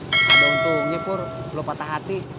tidak ada untungnya pur belum patah hati